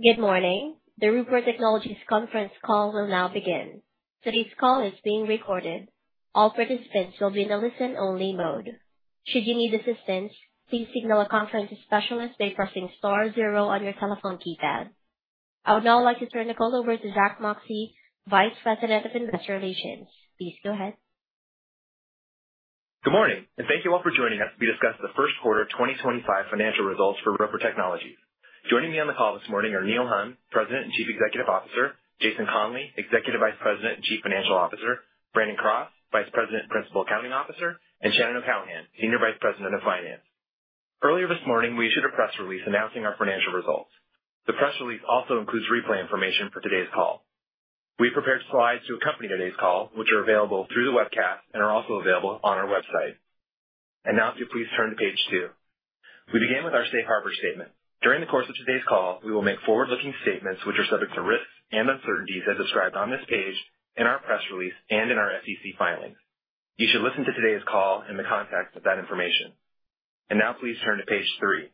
Good morning. The Roper Technologies conference call will now begin. Today's call is being recorded. All participants will be in a listen-only mode. Should you need assistance, please signal a conference specialist by pressing star zero on your telephone keypad. I would now like to turn the call over to Zack Moxcey, Vice President of Investor Relations. Please go ahead. Good morning, and thank you all for joining us to discuss the first quarter 2025 financial results for Roper Technologies. Joining me on the call this morning are Neil Hunn, President and Chief Executive Officer; Jason Conley, Executive Vice President and Chief Financial Officer; Brandon Cross, Vice President and Principal Accounting Officer; and Shannon O'Callaghan, Senior Vice President of Finance. Earlier this morning, we issued a press release announcing our financial results. The press release also includes replay information for today's call. We prepared slides to accompany today's call, which are available through the webcast and are also available on our website. If you please turn to page two. We begin with our safe harbor statement. During the course of today's call, we will make forward-looking statements which are subject to risks and uncertainties as described on this page in our press release and in our SEC filings. You should listen to today's call in the context of that information. Please turn to page three.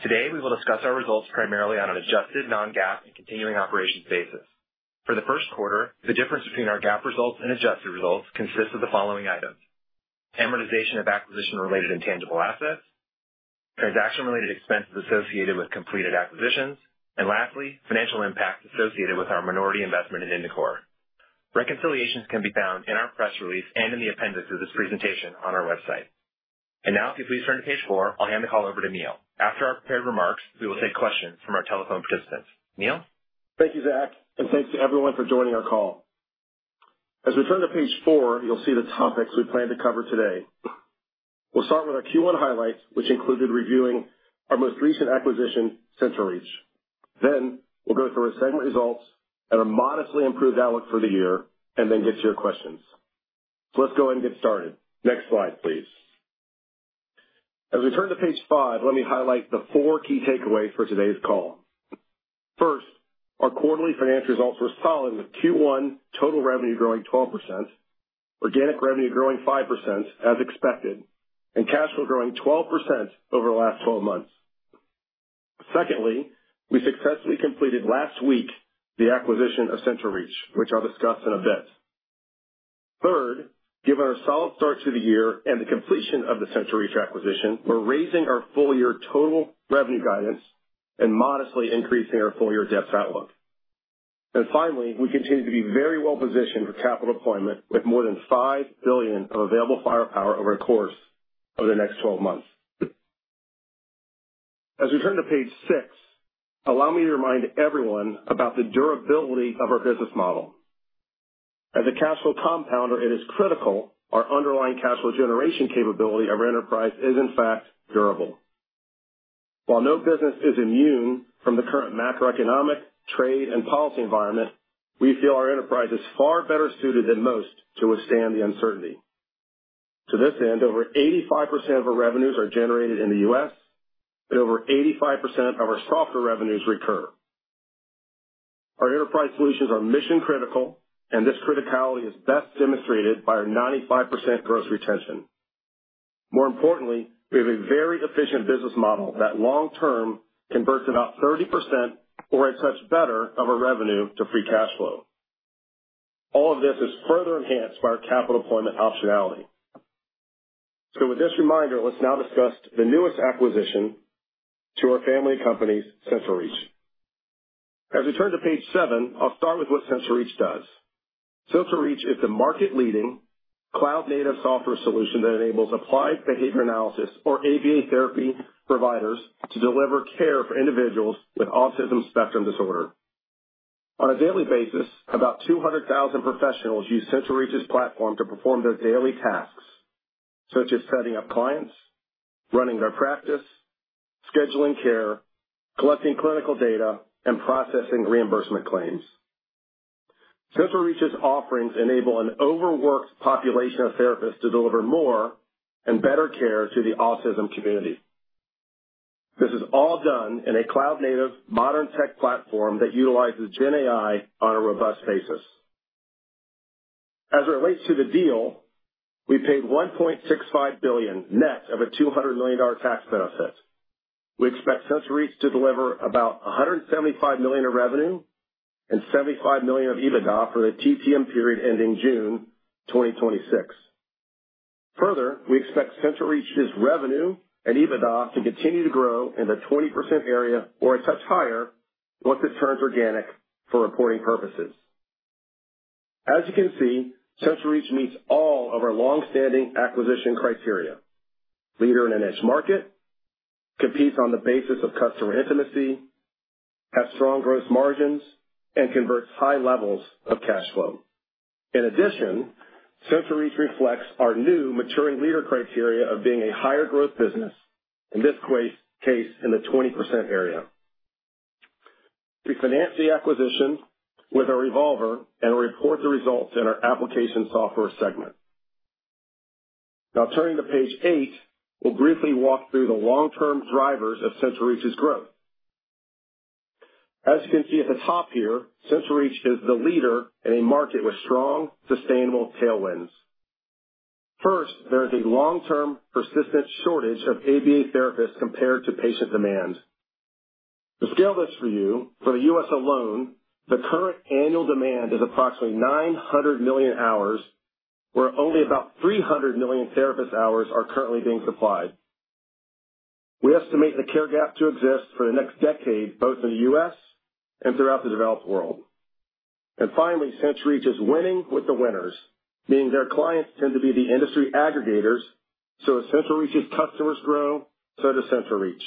Today, we will discuss our results primarily on an adjusted, non-GAAP and continuing operations basis. For the first quarter, the difference between our GAAP results and adjusted results consists of the following items: amortization of acquisition-related intangible assets, transaction-related expenses associated with completed acquisitions, and lastly, financial impacts associated with our minority investment in Indicor. Reconciliations can be found in our press release and in the appendix of this presentation on our website. Please turn to page four. I'll hand the call over to Neil. After our prepared remarks, we will take questions from our telephone participants. Neil? Thank you, Zack, and thanks to everyone for joining our call. As we turn to page four, you'll see the topics we plan to cover today. We'll start with our Q1 highlights, which included reviewing our most recent acquisition, CentralReach. Then, we'll go through our segment results and our modestly improved outlook for the year, and then get to your questions. Let's go ahead and get started. Next slide, please. As we turn to page five, let me highlight the four key takeaways for today's call. First, our quarterly financial results were solid, with Q1 total revenue growing 12%, organic revenue growing 5% as expected, and cash flow growing 12% over the last 12 months. Secondly, we successfully completed last week the acquisition of CentralReach, which I'll discuss in a bit. Third, given our solid start to the year and the completion of the CentralReach acquisition, we're raising our full-year total revenue guidance and modestly increasing our full-year EBITDA outlook. Finally, we continue to be very well positioned for capital deployment with more than $5 billion of available firepower over the course of the next 12 months. As we turn to page six, allow me to remind everyone about the durability of our business model. As a cash flow compounder, it is critical our underlying cash flow generation capability of our enterprise is, in fact, durable. While no business is immune from the current macroeconomic, trade, and policy environment, we feel our enterprise is far better suited than most to withstand the uncertainty. To this end, over 85% of our revenues are generated in the U.S., and over 85% of our software revenues recur. Our enterprise solutions are mission-critical, and this criticality is best demonstrated by our 95% gross retention. More importantly, we have a very efficient business model that long-term converts about 30% or as much better of our revenue to free cash flow. All of this is further enhanced by our capital deployment optionality. With this reminder, let's now discuss the newest acquisition to our family companies, CentralReach. As we turn to page seven, I'll start with what CentralReach does. CentralReach is the market-leading cloud-native software solution that enables applied behavior analysis, or ABA therapy, providers to deliver care for individuals with autism spectrum disorder. On a daily basis, about 200,000 professionals use CentralReach's platform to perform their daily tasks, such as setting up clients, running their practice, scheduling care, collecting clinical data, and processing reimbursement claims. CentralReach's offerings enable an overworked population of therapists to deliver more and better care to the autism community. This is all done in a cloud-native, modern-tech platform that utilizes GenAI on a robust basis. As it relates to the deal, we paid $1.65 billion net of a $200 million tax benefit. We expect CentralReach to deliver about $175 million of revenue and $75 million of EBITDA for the TPM period ending June 2026. Further, we expect CentralReach's revenue and EBITDA to continue to grow in the 20% area or as much higher once it turns organic for reporting purposes. As you can see, CentralReach meets all of our longstanding acquisition criteria: leader in a niche market, competes on the basis of customer intimacy, has strong gross margins, and converts high levels of cash flow. In addition, CentralReach reflects our new maturing leader criteria of being a higher-growth business, in this case in the 20% area. We financed the acquisition with a revolver and report the results in our application software segment. Now, turning to page eight, we'll briefly walk through the long-term drivers of CentralReach's growth. As you can see at the top here, CentralReach is the leader in a market with strong, sustainable tailwinds. First, there is a long-term persistent shortage of ABA therapists compared to patient demand. To scale this for you, for the U.S. alone, the current annual demand is approximately 900 million hours, where only about 300 million therapist hours are currently being supplied. We estimate the care gap to exist for the next decade, both in the U.S. and throughout the developed world. Finally, CentralReach is winning with the winners, meaning their clients tend to be the industry aggregators, so as CentralReach's customers grow, so does CentralReach.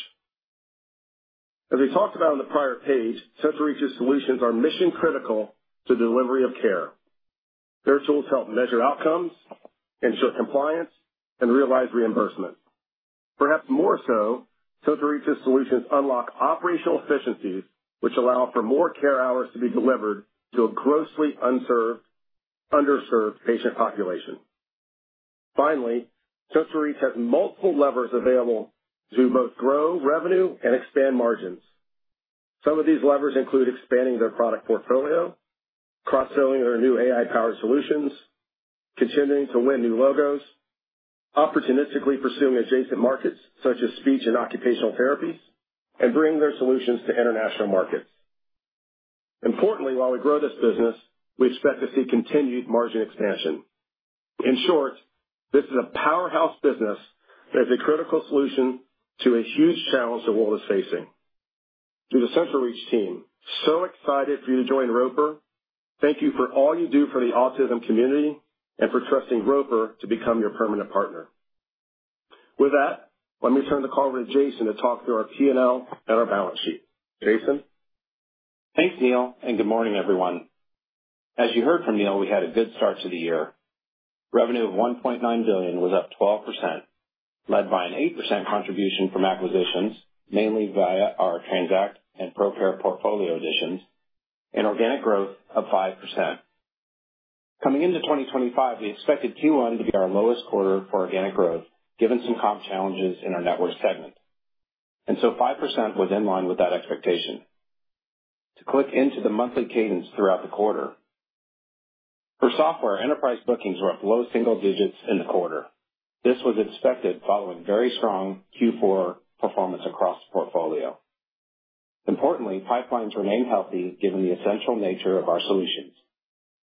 As we talked about on the prior page, CentralReach's solutions are mission-critical to the delivery of care. Their tools help measure outcomes, ensure compliance, and realize reimbursement. Perhaps more so, CentralReach's solutions unlock operational efficiencies, which allow for more care hours to be delivered to a grossly underserved patient population. Finally, CentralReach has multiple levers available to both grow revenue and expand margins. Some of these levers include expanding their product portfolio, cross-selling their new AI-powered solutions, continuing to win new logos, opportunistically pursuing adjacent markets such as speech and occupational therapies, and bringing their solutions to international markets. Importantly, while we grow this business, we expect to see continued margin expansion. In short, this is a powerhouse business that is a critical solution to a huge challenge the world is facing. To the CentralReach team, so excited for you to join Roper. Thank you for all you do for the autism community and for trusting Roper to become your permanent partner. With that, let me turn the call over to Jason to talk through our P&L and our balance sheet. Jason? Thanks, Neil, and good morning, everyone. As you heard from Neil, we had a good start to the year. Revenue of $1.9 billion was up 12%, led by an 8% contribution from acquisitions, mainly via our Transact and ProCare portfolio additions, and organic growth of 5%. Coming into 2025, we expected Q1 to be our lowest quarter for organic growth, given some comp challenges in our network segment. 5% was in line with that expectation. To click into the monthly cadence throughout the quarter, for software, enterprise bookings were at low single digits in the quarter. This was expected following very strong Q4 performance across the portfolio. Importantly, pipelines remain healthy given the essential nature of our solutions.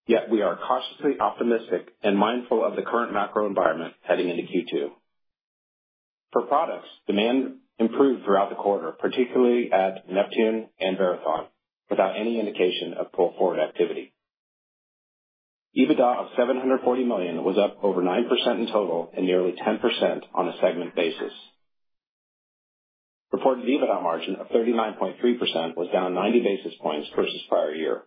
Yet, we are cautiously optimistic and mindful of the current macro environment heading into Q2. For products, demand improved throughout the quarter, particularly at Neptune and Verathon, without any indication of pull-forward activity. EBITDA of $740 million was up over 9% in total and nearly 10% on a segment basis. Reported EBITDA margin of 39.3% was down 90 basis points versus prior year.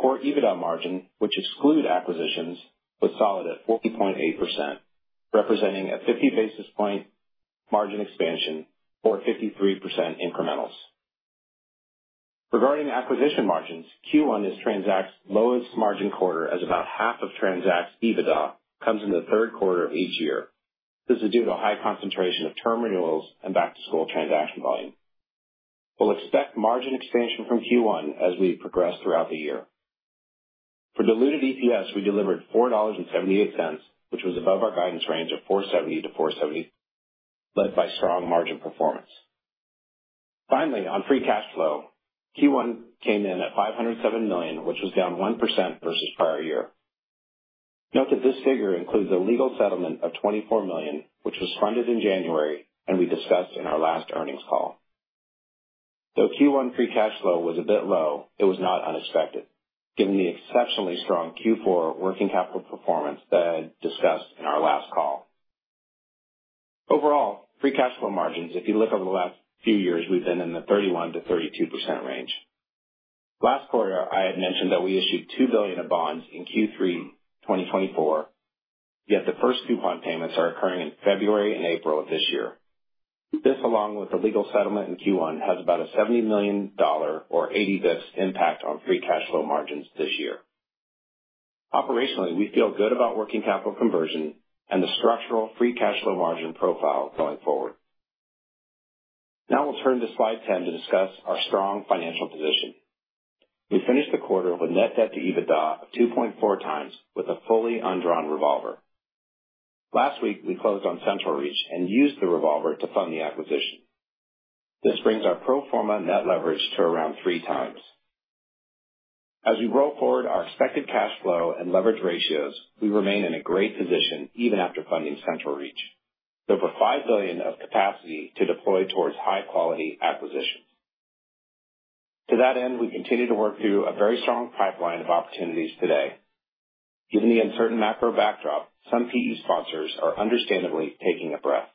Core EBITDA margin, which excludes acquisitions, was solid at 40.8%, representing a 50 basis point margin expansion or 53% incrementals. Regarding acquisition margins, Q1 is Transact's lowest margin quarter, as about half of Transact's EBITDA comes in the third quarter of each year. This is due to a high concentration of term renewals and back-to-school transaction volume. We will expect margin expansion from Q1 as we progress throughout the year. For diluted EPS, we delivered $4.78, which was above our guidance range of $4.70-$4.70, led by strong margin performance. Finally, on free cash flow, Q1 came in at $507 million, which was down 1% versus prior year. Note that this figure includes a legal settlement of $24 million, which was funded in January, and we discussed in our last earnings call. Though Q1 free cash flow was a bit low, it was not unexpected, given the exceptionally strong Q4 working capital performance that I had discussed in our last call. Overall, free cash flow margins, if you look over the last few years, we've been in the 31%-32% range. Last quarter, I had mentioned that we issued $2 billion of bonds in Q3 2024, yet the first coupon payments are occurring in February and April of this year. This, along with the legal settlement in Q1, has about a $70 million or 80 basis points impact on free cash flow margins this year. Operationally, we feel good about working capital conversion and the structural free cash flow margin profile going forward. Now, we'll turn to slide 10 to discuss our strong financial position. We finished the quarter with net debt to EBITDA of 2.4 times with a fully undrawn revolver. Last week, we closed on CentralReach and used the revolver to fund the acquisition. This brings our pro forma net leverage to around 3 times. As we roll forward our expected cash flow and leverage ratios, we remain in a great position even after funding CentralReach, with over $5 billion of capacity to deploy towards high-quality acquisitions. To that end, we continue to work through a very strong pipeline of opportunities today. Given the uncertain macro backdrop, some PE sponsors are understandably taking a breath.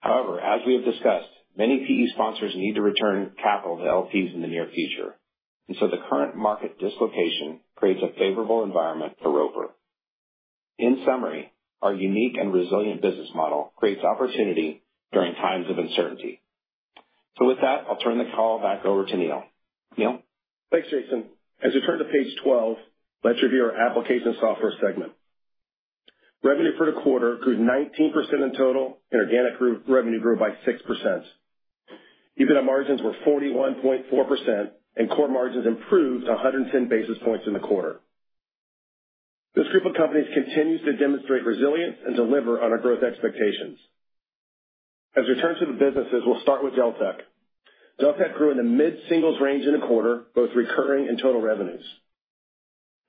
However, as we have discussed, many PE sponsors need to return capital to LPs in the near future, and so the current market dislocation creates a favorable environment for Roper. In summary, our unique and resilient business model creates opportunity during times of uncertainty. With that, I'll turn the call back over to Neil. Neil? Thanks, Jason. As we turn to page 12, let's review our application software segment. Revenue for the quarter grew 19% in total, and organic revenue grew by 6%. EBITDA margins were 41.4%, and core margins improved 110 basis points in the quarter. This group of companies continues to demonstrate resilience and deliver on our growth expectations. As we turn to the businesses, we'll start with Deltek. Deltek grew in the mid-singles range in the quarter, both recurring and total revenues.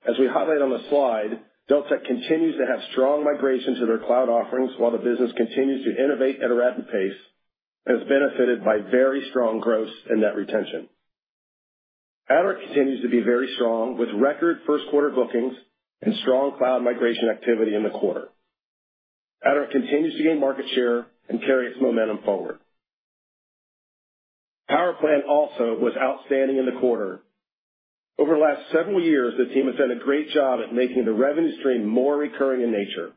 As we highlight on the slide, Deltek continues to have strong migration to their cloud offerings while the business continues to innovate at a rapid pace and is benefited by very strong gross and net retention. Aderant continues to be very strong with record first-quarter bookings and strong cloud migration activity in the quarter. Aderant continues to gain market share and carry its momentum forward. PowerPlan also was outstanding in the quarter. Over the last several years, the team has done a great job at making the revenue stream more recurring in nature.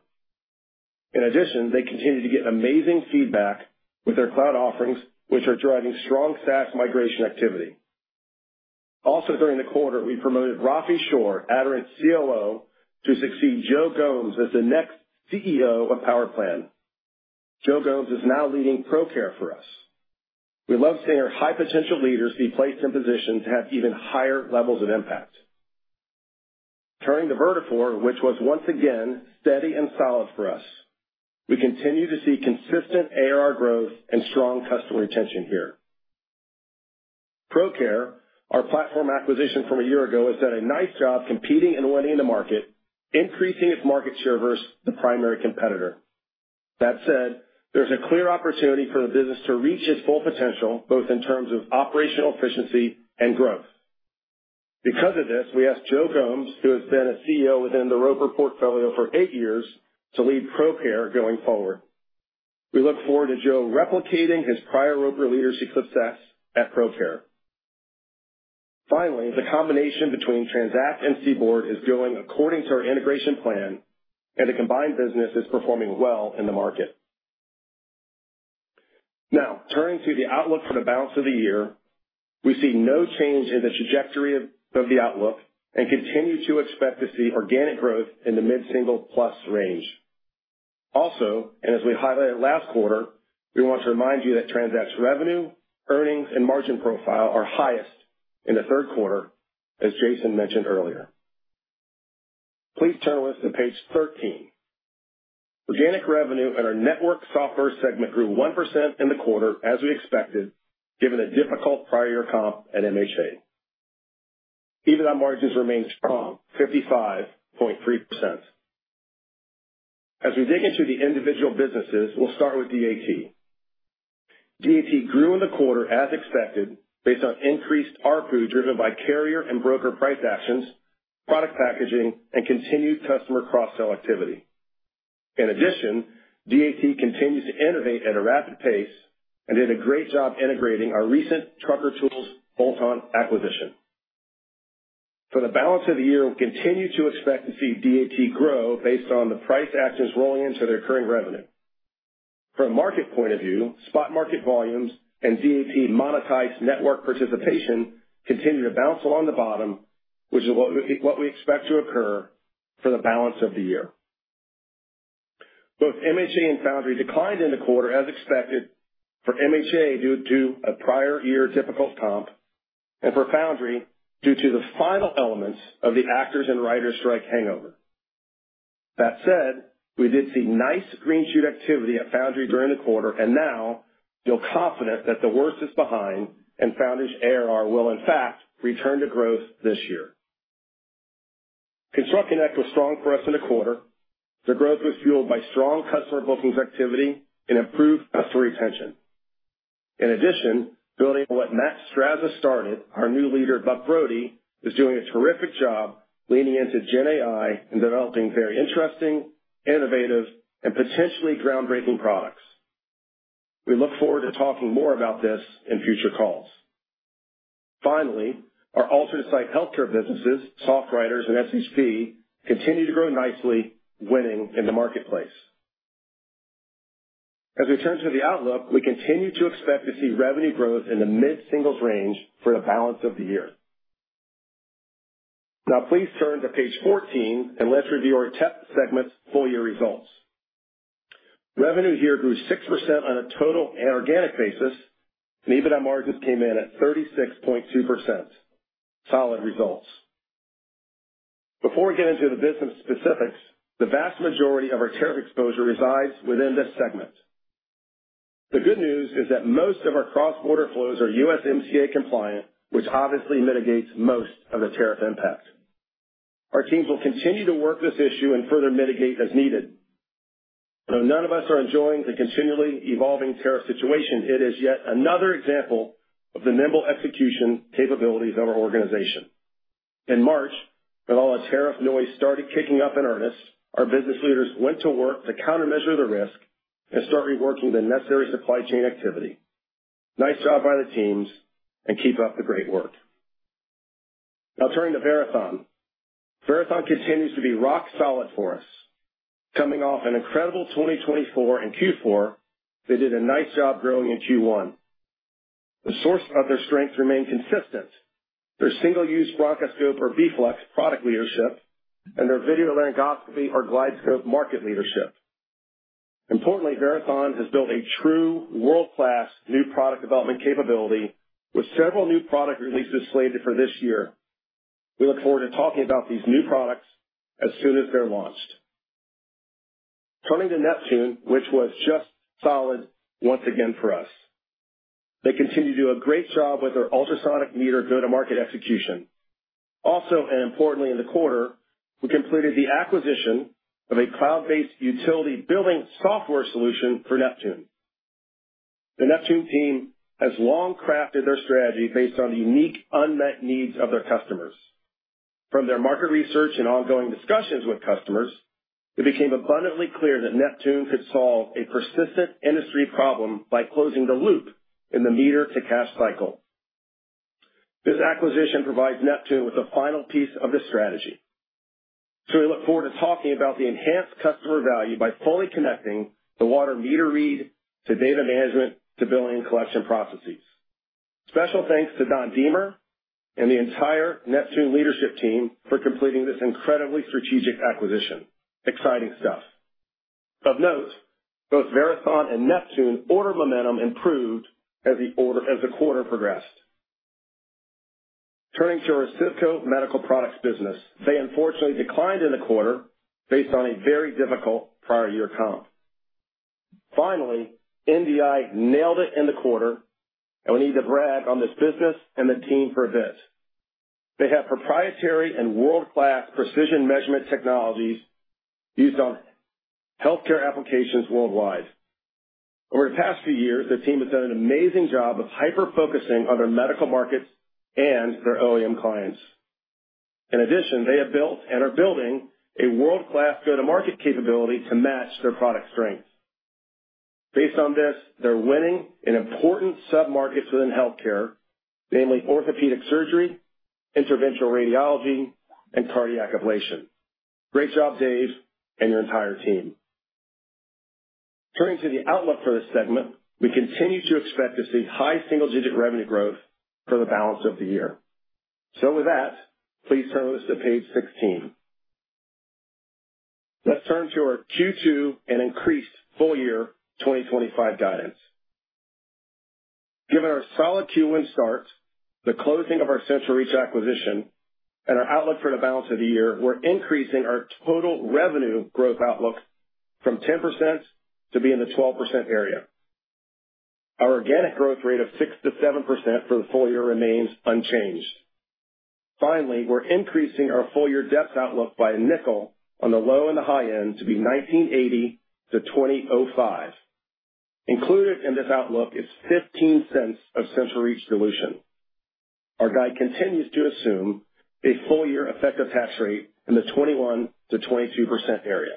In addition, they continue to get amazing feedback with their cloud offerings, which are driving strong SaaS migration activity. Also, during the quarter, we promoted Rafi Shure, Aderant's COO, to succeed Joe Gomes as the next CEO of PowerPlan. Joe Gomes is now leading ProCare for us. We love seeing our high-potential leaders be placed in positions that have even higher levels of impact. Turning to Vertafore, which was once again steady and solid for us, we continue to see consistent ARR growth and strong customer retention here. ProCare, our platform acquisition from a year ago, has done a nice job competing and winning the market, increasing its market share versus the primary competitor. That said, there's a clear opportunity for the business to reach its full potential, both in terms of operational efficiency and growth. Because of this, we ask Joe Gomes, who has been a CEO within the Roper portfolio for eight years, to lead ProCare going forward. We look forward to Joe replicating his prior Roper leadership success at ProCare. Finally, the combination between Transact and CBORD is going according to our integration plan, and the combined business is performing well in the market. Now, turning to the outlook for the balance of the year, we see no change in the trajectory of the outlook and continue to expect to see organic growth in the mid-single plus range. Also, and as we highlighted last quarter, we want to remind you that Transact's revenue, earnings, and margin profile are highest in the third quarter, as Jason mentioned earlier. Please turn with to page 13. Organic revenue in our network software segment grew 1% in the quarter, as we expected, given a difficult prior year comp at MHA. EBITDA margins remain strong, 55.3%. As we dig into the individual businesses, we'll start with DAT. DAT grew in the quarter, as expected, based on increased RPU driven by carrier and broker price actions, product packaging, and continued customer cross-sell activity. In addition, DAT continues to innovate at a rapid pace and did a great job integrating our recent Trucker Tools bolt-on acquisition. For the balance of the year, we continue to expect to see DAT grow based on the price actions rolling into their current revenue. From a market point of view, spot market volumes and DAT monetized network participation continue to bounce along the bottom, which is what we expect to occur for the balance of the year. Both MHA and Foundry declined in the quarter, as expected, for MHA due to a prior year difficult comp and for Foundry due to the final elements of the actors and writers' strike hangover. That said, we did see nice green shoot activity at Foundry during the quarter, and now feel confident that the worst is behind and Foundry's ARR will, in fact, return to growth this year. ConstructConnect was strong for us in the quarter. The growth was fueled by strong customer bookings activity and improved customer retention. In addition, building on what Matt Strazza started, our new leader, Buck Brody, is doing a terrific job leaning into GenAI and developing very interesting, innovative, and potentially groundbreaking products. We look forward to talking more about this in future calls. Finally, our alternate site healthcare businesses, SoftWriters, and SHP continue to grow nicely, winning in the marketplace. As we turn to the outlook, we continue to expect to see revenue growth in the mid-singles range for the balance of the year. Now, please turn to page 14 and let's review our tech segment's full year results. Revenue here grew 6% on a total and organic basis, and EBITDA margins came in at 36.2%. Solid results. Before we get into the business specifics, the vast majority of our tariff exposure resides within this segment. The good news is that most of our cross-border flows are USMCA compliant, which obviously mitigates most of the tariff impact. Our teams will continue to work this issue and further mitigate as needed. Though none of us are enjoying the continually evolving tariff situation, it is yet another example of the nimble execution capabilities of our organization. In March, when all the tariff noise started kicking up in earnest, our business leaders went to work to countermeasure the risk and start reworking the necessary supply chain activity. Nice job by the teams, and keep up the great work. Now, turning to Verathon. Verathon continues to be rock solid for us. Coming off an incredible 2024 in Q4, they did a nice job growing in Q1. The source of their strength remained consistent: their single-use bronchoscope or B-Flex product leadership and their video laryngoscopy or GlideScope market leadership. Importantly, Verathon has built a true world-class new product development capability with several new product releases slated for this year. We look forward to talking about these new products as soon as they're launched. Turning to Neptune, which was just solid once again for us. They continue to do a great job with their ultrasonic meter go-to-market execution. Also, and importantly, in the quarter, we completed the acquisition of a cloud-based utility billing software solution for Neptune. The Neptune team has long crafted their strategy based on the unique unmet needs of their customers. From their market research and ongoing discussions with customers, it became abundantly clear that Neptune could solve a persistent industry problem by closing the loop in the meter-to-cash cycle. This acquisition provides Neptune with a final piece of the strategy. We look forward to talking about the enhanced customer value by fully connecting the water meter read to data management to billing and collection processes. Special thanks to Don Deemer and the entire Neptune leadership team for completing this incredibly strategic acquisition. Exciting stuff. Of note, both Verathon and Neptune order momentum improved as the quarter progressed. Turning to our CIVCO Medical Solutions business, they unfortunately declined in the quarter based on a very difficult prior year comp. Finally, NDI nailed it in the quarter, and we need to brag on this business and the team for a bit. They have proprietary and world-class precision measurement technologies used on healthcare applications worldwide. Over the past few years, the team has done an amazing job of hyper-focusing on their medical markets and their OEM clients. In addition, they have built and are building a world-class go-to-market capability to match their product strength. Based on this, they're winning in important sub-markets within healthcare, namely orthopedic surgery, interventional radiology, and cardiac ablation. Great job, Dave, and your entire team. Turning to the outlook for this segment, we continue to expect to see high single-digit revenue growth for the balance of the year. With that, please turn with us to page 16. Let's turn to our Q2 and increased full year 2025 guidance. Given our solid Q1 start, the closing of our CentralReach acquisition, and our outlook for the balance of the year, we're increasing our total revenue growth outlook from 10% to be in the 12% area. Our organic growth rate of 6%-7% for the full year remains unchanged. Finally, we're increasing our full year DEPS outlook by a nickel on the low and the high end to be $19.80-$20.05. Included in this outlook is $0.15 of CentralReach dilution. Our guide continues to assume a full year effective tax rate in the 21%-22% area.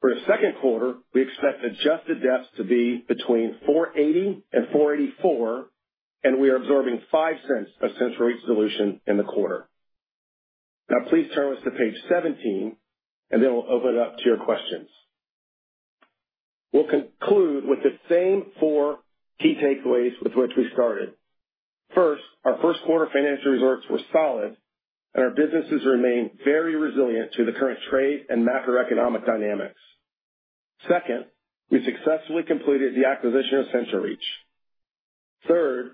For the second quarter, we expect adjusted DEPS to be between $4.80 and $4.84, and we are absorbing $0.05 of CentralReach dilution in the quarter. Now, please turn with us to page 17, and then we'll open it up to your questions. We'll conclude with the same four key takeaways with which we started. First, our first quarter financial results were solid, and our businesses remained very resilient to the current trade and macroeconomic dynamics. Second, we successfully completed the acquisition of CentralReach. Third,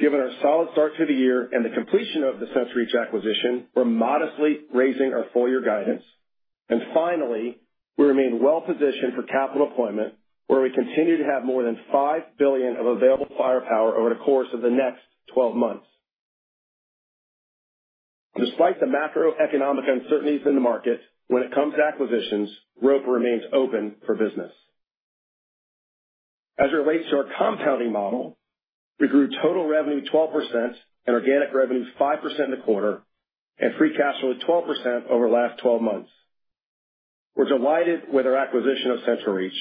given our solid start to the year and the completion of the CentralReach acquisition, we're modestly raising our full year guidance. Finally, we remain well-positioned for capital appointment, where we continue to have more than $5 billion of available firepower over the course of the next 12 months. Despite the macroeconomic uncertainties in the market, when it comes to acquisitions, Roper remains open for business. As it relates to our compounding model, we grew total revenue 12% and organic revenue 5% in the quarter, and free cash flow 12% over the last 12 months. We're delighted with our acquisition of CentralReach.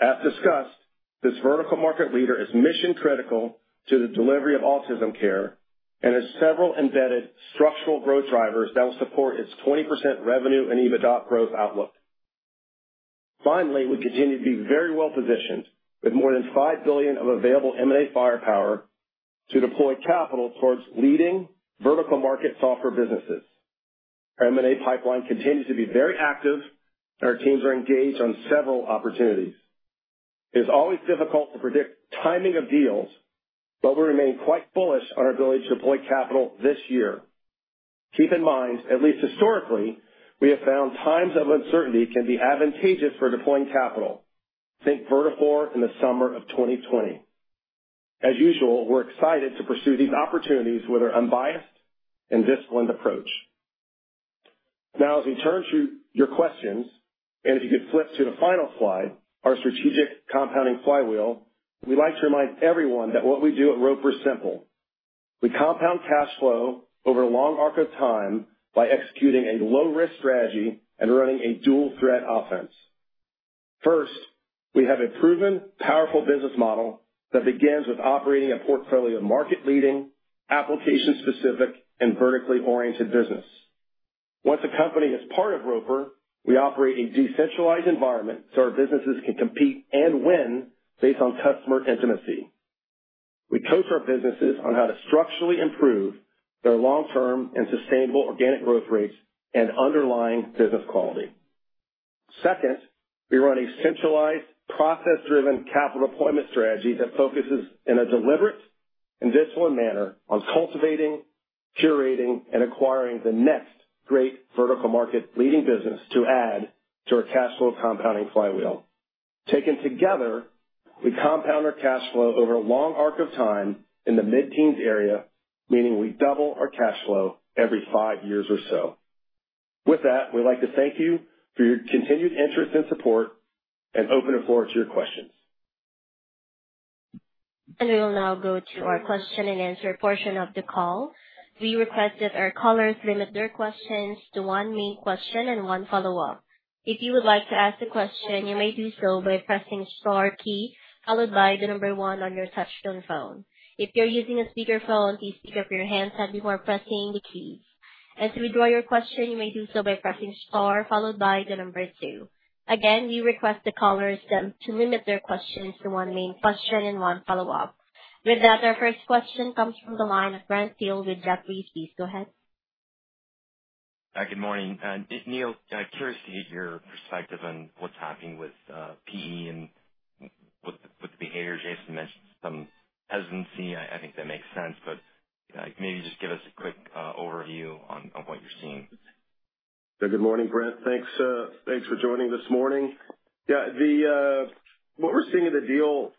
As discussed, this vertical market leader is mission-critical to the delivery of autism care and has several embedded structural growth drivers that will support its 20% revenue and EBITDA growth outlook. Finally, we continue to be very well-positioned with more than $5 billion of available M&A firepower to deploy capital towards leading vertical market software businesses. Our M&A pipeline continues to be very active, and our teams are engaged on several opportunities. It is always difficult to predict timing of deals, but we remain quite bullish on our ability to deploy capital this year. Keep in mind, at least historically, we have found times of uncertainty can be advantageous for deploying capital. Think Vertafore in the summer of 2020. As usual, we're excited to pursue these opportunities with our unbiased and disciplined approach. Now, as we turn to your questions, and if you could flip to the final slide, our strategic compounding flywheel, we'd like to remind everyone that what we do at Roper is simple. We compound cash flow over a long arc of time by executing a low-risk strategy and running a dual-threat offense. First, we have a proven, powerful business model that begins with operating a portfolio of market-leading, application-specific, and vertically oriented business. Once a company is part of Roper, we operate a decentralized environment so our businesses can compete and win based on customer intimacy. We coach our businesses on how to structurally improve their long-term and sustainable organic growth rates and underlying business quality. Second, we run a centralized, process-driven capital appointment strategy that focuses in a deliberate and disciplined manner on cultivating, curating, and acquiring the next great vertical market-leading business to add to our cash flow compounding flywheel. Taken together, we compound our cash flow over a long arc of time in the mid-teens area, meaning we double our cash flow every five years or so. With that, we'd like to thank you for your continued interest and support and open the floor to your questions. We will now go to our question-and-answer portion of the call. We request that our callers limit their questions to one main question and one follow-up. If you would like to ask a question, you may do so by pressing the star key followed by the number one on your touchstone phone. If you're using a speakerphone, please pick up your handset before pressing the keys. To withdraw your question, you may do so by pressing star followed by the number two. Again, we request the callers to limit their questions to one main question and one follow-up. With that, our 1st question comes from the line of Brent Thill with Jefferies. Please go ahead. Hi, good morning. Neil, curious to hear your perspective on what's happening with PE and with the behavior Jason mentioned, some hesitancy. I think that makes sense, but maybe just give us a quick overview on what you're seeing. Yeah, good morning, Brent. Thanks for joining this morning. Yeah, what we're seeing in the deal,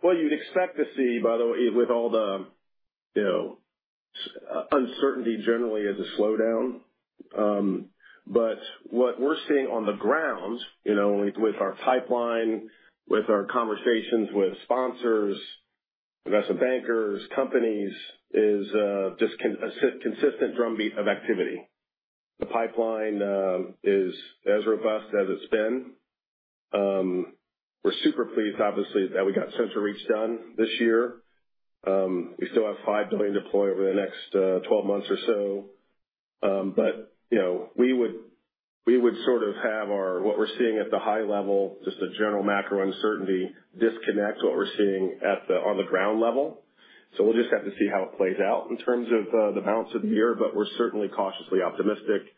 what you'd expect to see, by the way, with all the uncertainty generally is a slowdown. What we're seeing on the ground, with our pipeline, with our conversations with sponsors, investment bankers, companies, is just a consistent drumbeat of activity. The pipeline is as robust as it's been. We're super pleased, obviously, that we got CentralReach done this year. We still have $5 billion deployed over the next 12 months or so. We would sort of have what we're seeing at the high level, just a general macro uncertainty disconnect to what we're seeing on the ground level. We will just have to see how it plays out in terms of the balance of the year, but we're certainly cautiously optimistic.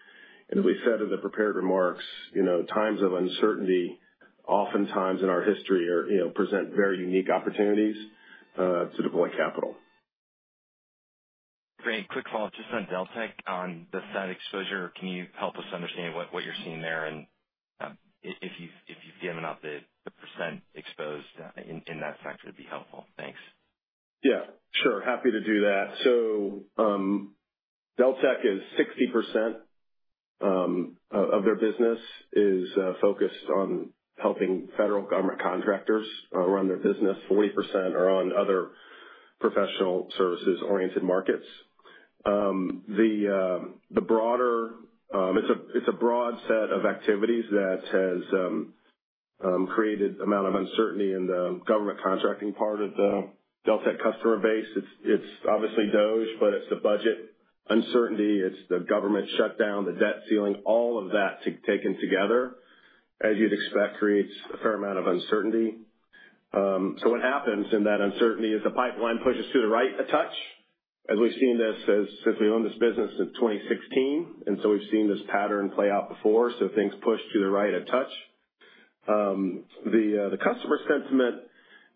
As we said in the prepared remarks, times of uncertainty oftentimes in our history present very unique opportunities to deploy capital. Great. Quick follow-up just on Deltek on the Fed exposure. Can you help us understand what you're seeing there? If you've given up the percent exposed in that sector, it'd be helpful. Thanks. Yeah, sure. Happy to do that. Deltek is 60% of their business is focused on helping federal government contractors run their business, 40% are on other professional services-oriented markets. The broader, it's a broad set of activities that has created an amount of uncertainty in the government contracting part of the Deltek customer base. It's obviously DOGE, but it's the budget uncertainty. It's the government shutdown, the debt ceiling. All of that taken together, as you'd expect, creates a fair amount of uncertainty. What happens in that uncertainty is the pipeline pushes to the right a touch. As we've seen this since we owned this business in 2016, and so we've seen this pattern play out before. Things push to the right a touch. The customer sentiment,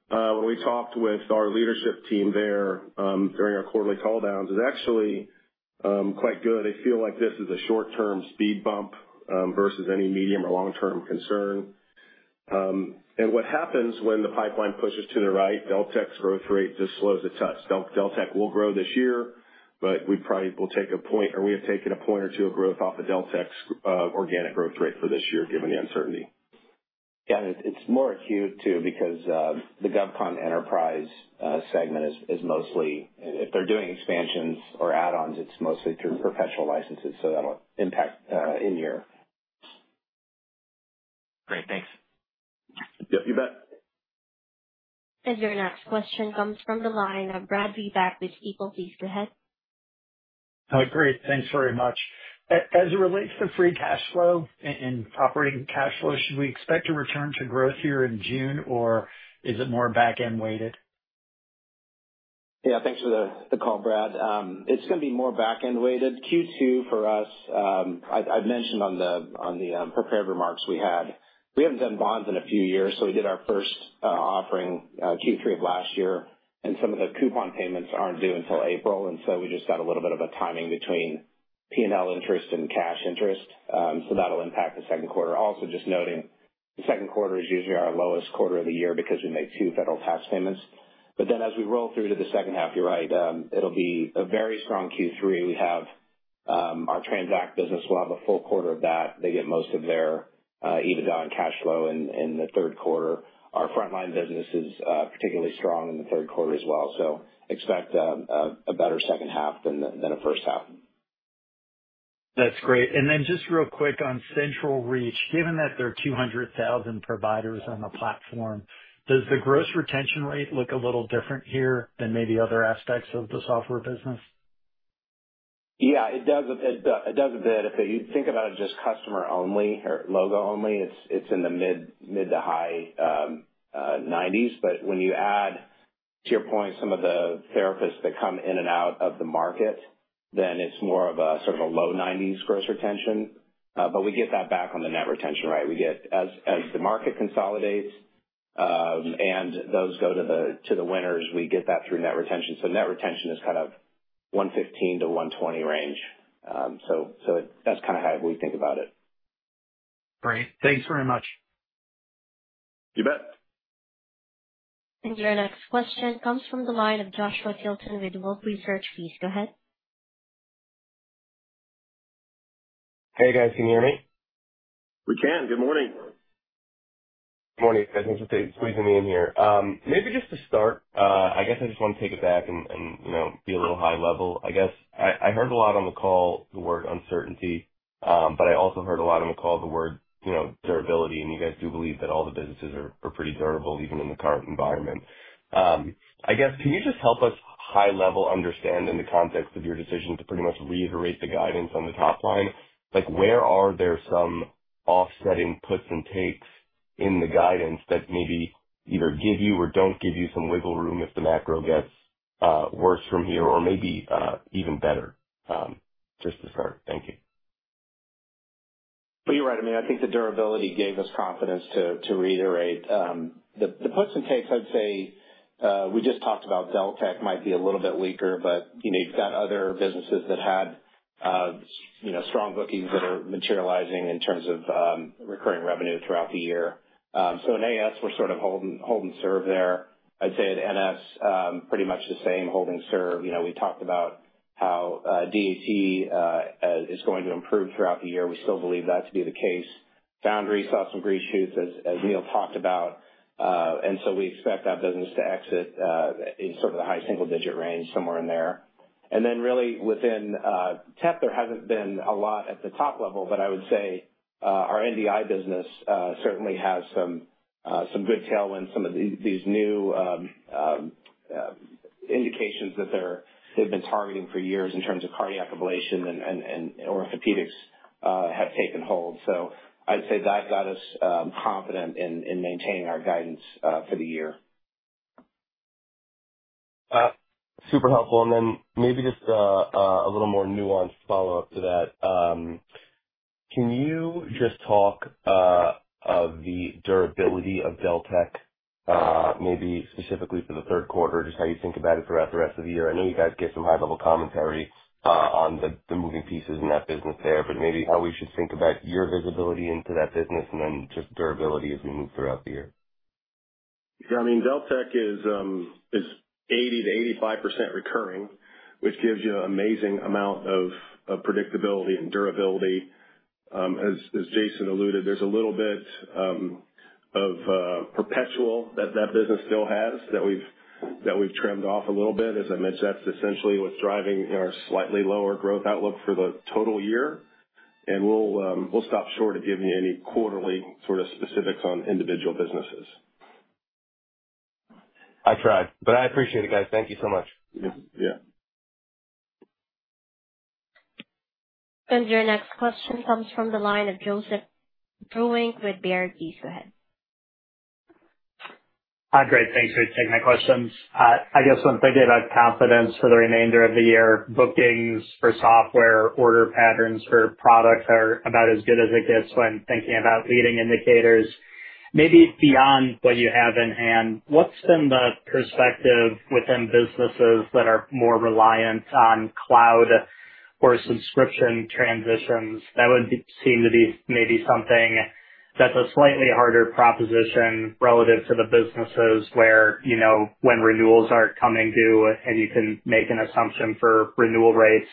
when we talked with our leadership team there during our quarterly call downs, is actually quite good. They feel like this is a short-term speed bump versus any medium or long-term concern. What happens when the pipeline pushes to the right, Deltek's growth rate just slows a touch. Deltek will grow this year, but we probably will take a point, or we have taken a point or two of growth off of Deltek's organic growth rate for this year given the uncertainty. Yeah, it's more acute too because the GovCon enterprise segment is mostly, if they're doing expansions or add-ons, it's mostly through perpetual licenses, so that'll impact in year. Great. Thanks. Yep, you bet. Your next question comes from the line of Brad Reback with Stifel. Please go ahead. Great. Thanks very much. As it relates to free cash flow and operating cash flow, should we expect a return to growth here in June, or is it more back-end weighted? Yeah, thanks for the call, Brad. It's going to be more back-end weighted. Q2 for us, I mentioned on the prepared remarks we had, we haven't done bonds in a few years, so we did our first offering Q3 of last year, and some of the coupon payments aren't due until April. We just got a little bit of a timing between P&L interest and cash interest, so that'll impact the second quarter. Also just noting, the second quarter is usually our lowest quarter of the year because we make two federal tax payments. As we roll through to the second half, you're right, it'll be a very strong Q3. We have our Transact business will have a full quarter of that. They get most of their EBITDA and cash flow in the third quarter. Our Frontline business is particularly strong in the third quarter as well. Expect a better second half than a first half. That's great. Just real quick on CentralReach, given that there are 200,000 providers on the platform, does the gross retention rate look a little different here than maybe other aspects of the software business? Yeah, it does a bit. If you think about it just customer only or logo only, it's in the mid to high 90s. When you add, to your point, some of the therapists that come in and out of the market, then it's more of a sort of a low 90s gross retention. We get that back on the net retention, right? As the market consolidates and those go to the winners, we get that through net retention. Net retention is kind of 115%-120% range. That's kind of how we think about it. Great. Thanks very much. You bet. Your next question comes from the line of Joshua Tilton with Wolfe Research. Please go ahead. Hey, guys. Can you hear me? We can. Good morning. Good morning, guys. Thanks for squeezing me in here. Maybe just to start, I guess I just want to take it back and be a little high level. I guess I heard a lot on the call the word uncertainty, but I also heard a lot on the call the word durability. You guys do believe that all the businesses are pretty durable even in the current environment. I guess can you just help us high level understand in the context of your decision to pretty much reiterate the guidance on the top line? Where are there some offsetting puts and takes in the guidance that maybe either give you or do not give you some wiggle room if the macro gets worse from here or maybe even better? Just to start, thank you. You are right. I mean, I think the durability gave us confidence to reiterate. The puts and takes, I would say we just talked about Deltek might be a little bit weaker, but you have got other businesses that had strong bookings that are materializing in terms of recurring revenue throughout the year. In AS, we are sort of hold and serve there. I would say at NS, pretty much the same, hold and serve. We talked about how DAT is going to improve throughout the year. We still believe that to be the case. Foundry saw some green shoots, as Neil talked about. We expect that business to exit in sort of the high single-digit range somewhere in there. Within TEP, there has not been a lot at the top level, but I would say our NDI business certainly has some good tailwinds. Some of these new indications that they have been targeting for years in terms of cardiac ablation and orthopedics have taken hold. I would say that got us confident in maintaining our guidance for the year. Super helpful. Maybe just a little more nuanced follow-up to that. Can you just talk of the durability of Deltek, maybe specifically for the third quarter, just how you think about it throughout the rest of the year? I know you guys gave some high-level commentary on the moving pieces in that business there, but maybe how we should think about your visibility into that business and then just durability as we move throughout the year. Yeah, I mean, Deltek is 80-85% recurring, which gives you an amazing amount of predictability and durability. As Jason alluded, there's a little bit of perpetual that that business still has that we've trimmed off a little bit. As I mentioned, that's essentially what's driving our slightly lower growth outlook for the total year. We'll stop short of giving you any quarterly sort of specifics on individual businesses. I tried, but I appreciate it, guys. Thank you so much. Yeah. Your next question comes from the line of Joseph Vruwink with Baird. Please go ahead. Hi, great. Thanks for taking my questions. I guess when thinking about confidence for the remainder of the year, bookings for software, order patterns for products are about as good as it gets when thinking about leading indicators. Maybe beyond what you have in hand, what's been the perspective within businesses that are more reliant on cloud or subscription transitions? That would seem to be maybe something that's a slightly harder proposition relative to the businesses where when renewals aren't coming due and you can make an assumption for renewal rates.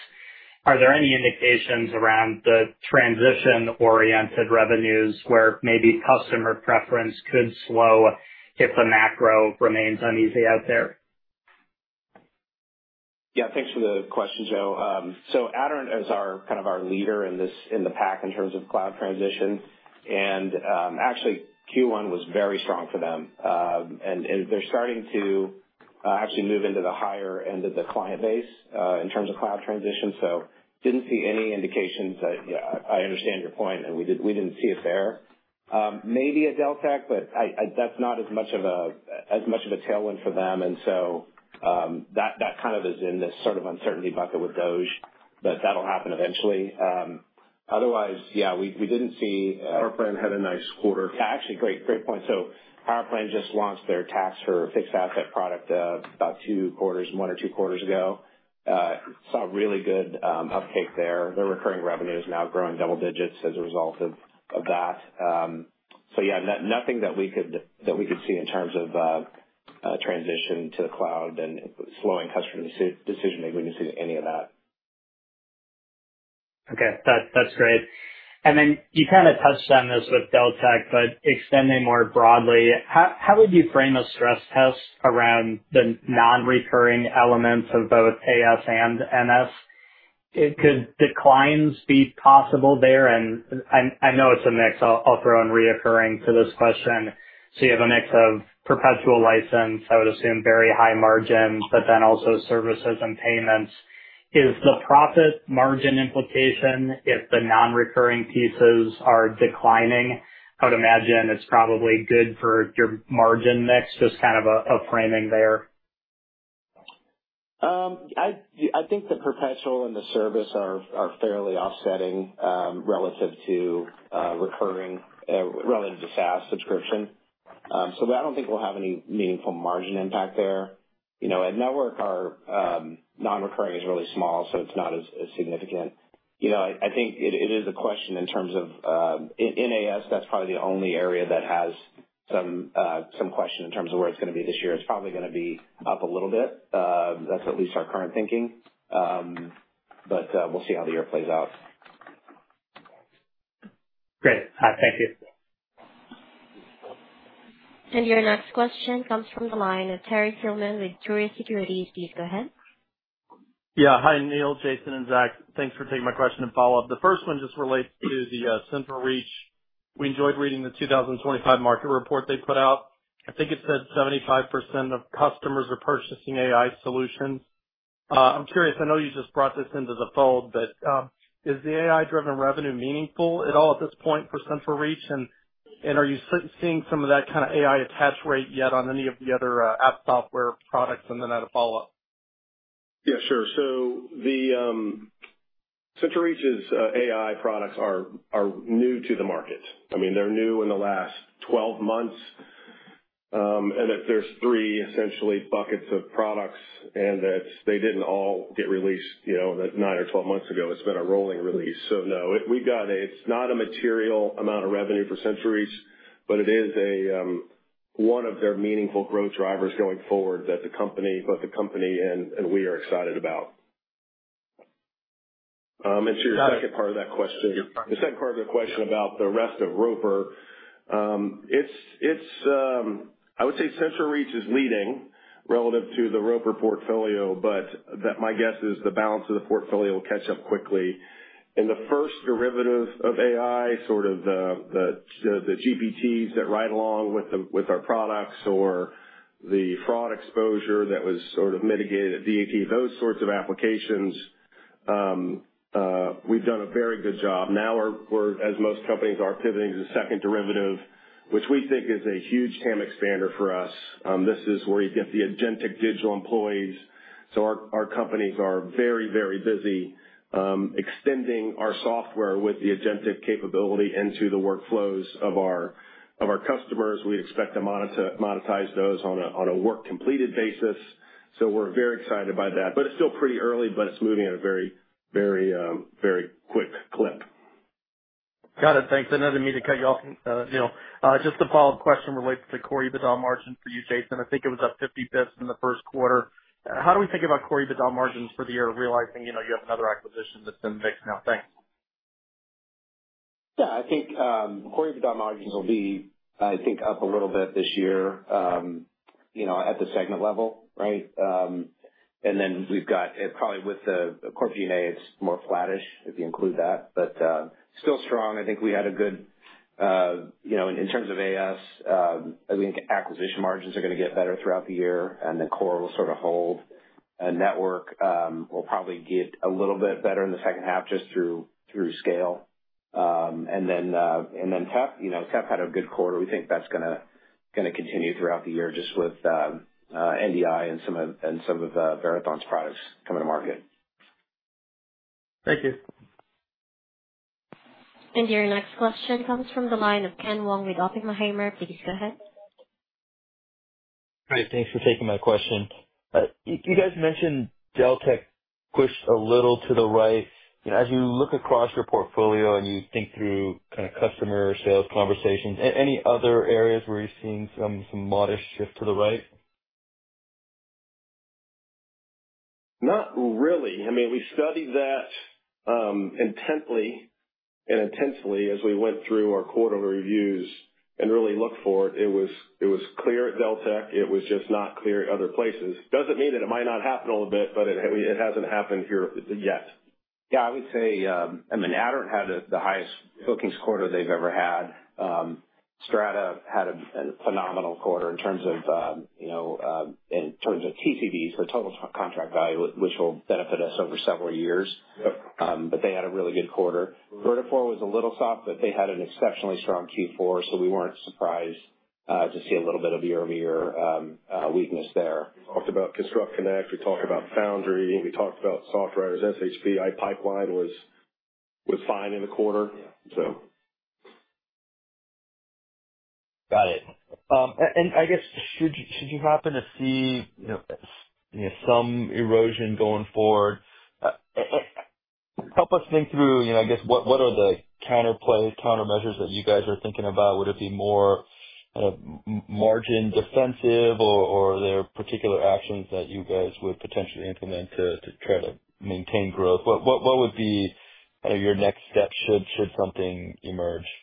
Are there any indications around the transition-oriented revenues where maybe customer preference could slow if the macro remains uneasy out there? Yeah, thanks for the question, Joe. So Aderant is kind of our leader in the pack in terms of cloud transition. And actually, Q1 was very strong for them. They're starting to actually move into the higher end of the client base in terms of cloud transition. Did not see any indications. I understand your point, and we did not see it there. Maybe at Deltek, but that's not as much of a tailwind for them. That kind of is in this sort of uncertainty bucket with DOGE, but that'll happen eventually. Otherwise, yeah, we did not see PowerPlan had a nice quarter. Actually, great point. PowerPlan just launched their tax for fixed asset product about two quarters, one or two quarters ago. Saw really good uptake there. Their recurring revenue is now growing double digits as a result of that. Nothing that we could see in terms of transition to the cloud and slowing customer decision-making. We did not see any of that. Okay. That's great. You kind of touched on this with Deltek, but extending more broadly, how would you frame a stress test around the non-recurring elements of both AS and NS? Could declines be possible there? I know it's a mix. I'll throw in recurring to this question. You have a mix of perpetual license, I would assume very high margin, but then also services and payments. Is the profit margin implication if the non-recurring pieces are declining? I would imagine it's probably good for your margin mix, just kind of a framing there. I think the perpetual and the service are fairly offsetting relative to recurring relative to SaaS subscription. I don't think we'll have any meaningful margin impact there. At Network, our non-recurring is really small, so it's not as significant. I think it is a question in terms of in AS, that's probably the only area that has some question in terms of where it's going to be this year. It's probably going to be up a little bit. That's at least our current thinking. We'll see how the year plays out. Great. Thank you. Your next question comes from the line of Terry Tillman with Truist Securities. Please go ahead. Yeah. Hi, Neil, Jason, and Zack. Thanks for taking my question and follow-up. The first one just relates to the CentralReach. We enjoyed reading the 2025 market report they put out. I think it said 75% of customers are purchasing AI solutions. I'm curious. I know you just brought this into the fold, but is the AI-driven revenue meaningful at all at this point for CentralReach? Are you seeing some of that kind of AI attach rate yet on any of the other app software products? I had a follow-up. Yeah, sure. CentralReach's AI products are new to the market. I mean, they're new in the last 12 months. There are three essentially buckets of products, and they did not all get released nine or 12 months ago. It has been a rolling release. No, we have got it. It is not a material amount of revenue for CentralReach, but it is one of their meaningful growth drivers going forward that the company and we are excited about. To your 2nd part of that question, the 2nd part of the question about the rest of Roper, I would say CentralReach is leading relative to the Roper portfolio, but my guess is the balance of the portfolio will catch up quickly. The first derivative of AI, sort of the GPTs that ride along with our products or the fraud exposure that was sort of mitigated at DAT, those sorts of applications, we've done a very good job. Now, as most companies are, pivoting to the second derivative, which we think is a huge TAM expander for us. This is where you get the agentic digital employees. Our companies are very, very busy extending our software with the agentic capability into the workflows of our customers. We expect to monetize those on a work completed basis. We are very excited by that. It is still pretty early, but it is moving at a very, very, very quick clip. Got it. Thanks. I did not mean to cut you off, Neil. Just a follow-up question related to core EBITDA margin for you, Jason. I think it was up 50 basis points in the first quarter. How do we think about core EBITDA margins for the year, realizing you have another acquisition that's in the mix now? Thanks. Yeah. I think core EBITDA margins will be, I think, up a little bit this year at the segment level, right? And then we've got probably with the core DNA, it's more flattish if you include that, but still strong. I think we had a good, in terms of AS, I think acquisition margins are going to get better throughout the year, and then core will sort of hold. Network will probably get a little bit better in the 2nd half just through scale. TEP had a good quarter. We think that's going to continue throughout the year just with NDI and some of Verathon's products coming to market. Thank you. Your next question comes from the line of Ken Wong with Oppenheimer. Please go ahead. Hi, thanks for taking my question. You guys mentioned Deltek pushed a little to the right. As you look across your portfolio and you think through kind of customer sales conversations, any other areas where you're seeing some modest shift to the right? Not really. I mean, we studied that intently and intensively as we went through our quarterly reviews and really looked for it. It was clear at Deltek. It was just not clear at other places. Doesn't mean that it might not happen a little bit, but it hasn't happened here yet. Yeah, I would say, I mean, Aderant had the highest bookings quarter they've ever had. Strata had a phenomenal quarter in terms of in terms of TCVs, their total contract value, which will benefit us over several years. They had a really good quarter. Vertafore was a little soft, but they had an exceptionally strong Q4, so we were not surprised to see a little bit of year-over-year weakness there. We talked about ConstructConnect. We talked about Foundry. We talked about SoftWriters. SHP iPipeline was fine in the quarter. Got it. I guess should you happen to see some erosion going forward, help us think through what are the countermeasures that you guys are thinking about? Would it be more kind of margin defensive, or are there particular actions that you guys would potentially implement to try to maintain growth? What would be your next step should something emerge? Yeah.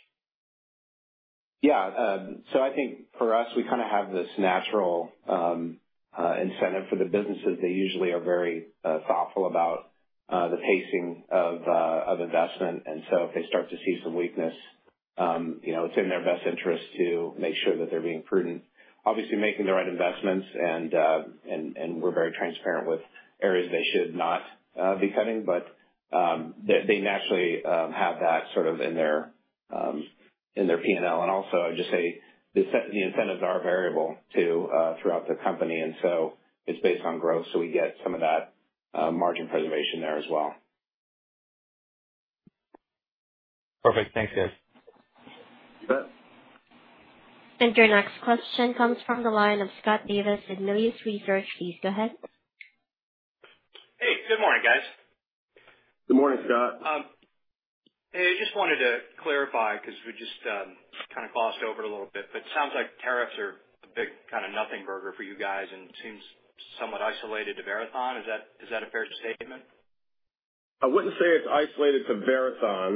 I think for us, we kind of have this natural incentive for the businesses. They usually are very thoughtful about the pacing of investment. If they start to see some weakness, it's in their best interest to make sure that they're being prudent, obviously making the right investments. We're very transparent with areas they should not be cutting, but they naturally have that sort of in their P&L. I would just say the incentives are variable too throughout the company. It's based on growth. We get some of that margin preservation there as well. Perfect. Thanks, guys. You bet. Your next question comes from the line of Scott Davis with Melius Research. Please go ahead. Hey, good morning, guys. Good morning, Scott. Hey, I just wanted to clarify because we just kind of crossed over a little bit. It sounds like tariffs are a big kind of nothing burger for you guys and seem somewhat isolated to Verathon. Is that a fair statement? I wouldn't say it's isolated to Verathon.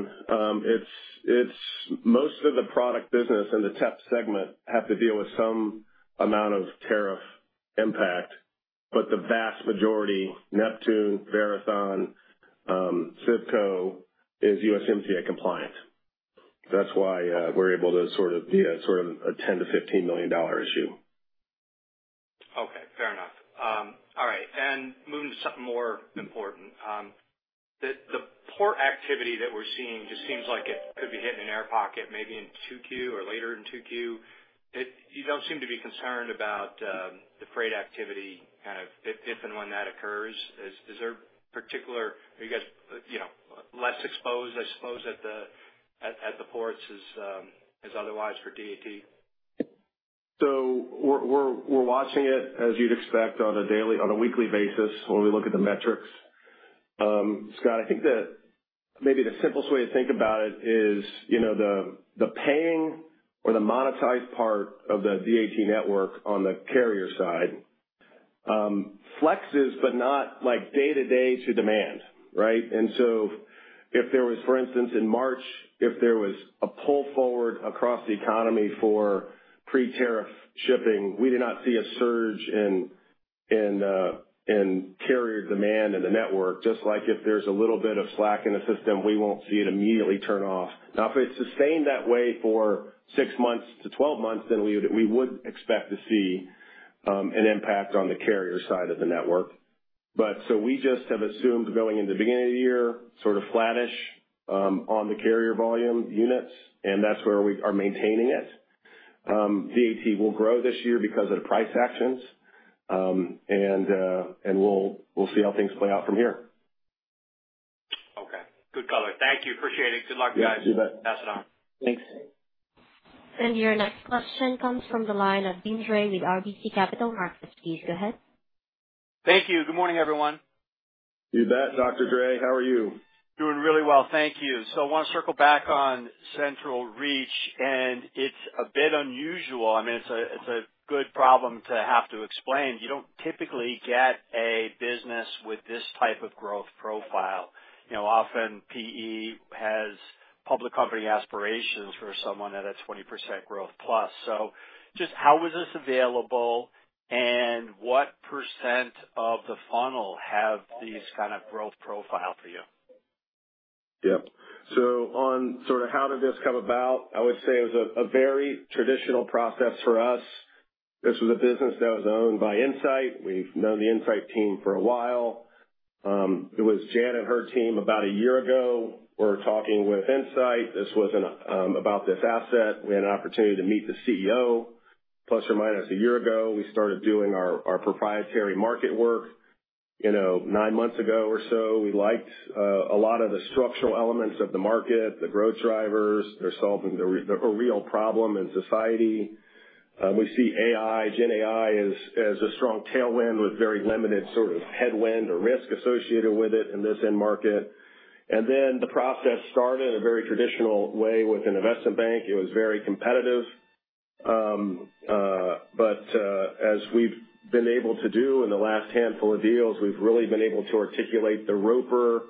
Most of the product business in the TEP segment have to deal with some amount of tariff impact, but the vast majority, Neptune, Verathon, CIVCO, is USMCA compliant. That's why we're able to sort of be a sort of a $10 million-$15 million issue. Okay. Fair enough. All right. Moving to something more important, the port activity that we're seeing just seems like it could be hitting an air pocket, maybe in 2Q or later in 2Q. You don't seem to be concerned about the freight activity kind of if and when that occurs. Is there particular are you guys less exposed, I suppose, at the ports as otherwise for DAT? We're watching it, as you'd expect, on a weekly basis when we look at the metrics. Scott, I think that maybe the simplest way to think about it is the paying or the monetized part of the DAT network on the carrier side flexes, but not day-to-day to demand, right? If there was, for instance, in March, if there was a pull forward across the economy for pre-tariff shipping, we did not see a surge in carrier demand in the network. Just like if there's a little bit of slack in the system, we won't see it immediately turn off. Now, if it sustained that way for six months to 12 months, then we would expect to see an impact on the carrier side of the network. We just have assumed going into the beginning of the year, sort of flattish on the carrier volume units, and that's where we are maintaining it. DAT will grow this year because of the price actions, and we'll see how things play out from here. Okay. Good color. Thank you. Appreciate it. Good luck, guys. You bet. Pass it on. Thanks. Your next question comes from the line of Deane Dray with RBC Capital Markets. Please go ahead. Thank you. Good morning, everyone. You bet, Dr. Dray. How are you? Doing really well. Thank you. I want to circle back on CentralReach, and it's a bit unusual. I mean, it's a good problem to have to explain. You don't typically get a business with this type of growth profile. Often, PE has public company aspirations for someone at a 20%+ growth. Just how is this available, and what percent of the funnel have these kind of growth profile for you? Yep. On sort of how did this come about, I would say it was a very traditional process for us. This was a business that was owned by Insight. We've known the Insight team for a while. It was John and her team about a year ago were talking with Insight. This was about this asset. We had an opportunity to meet the CEO, plus or minus a year ago. We started doing our proprietary market work. Nine months ago or so, we liked a lot of the structural elements of the market, the growth drivers. They're solving a real problem in society. We see AI, GenAI, as a strong tailwind with very limited sort of headwind or risk associated with it in this end market. The process started in a very traditional way with an investment bank. It was very competitive. As we've been able to do in the last handful of deals, we've really been able to articulate the Roper